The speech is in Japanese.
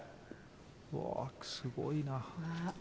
うわー、すごいな。